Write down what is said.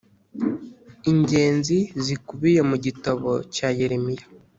ingenzi z ikubiye mu gitabo cya yeremiya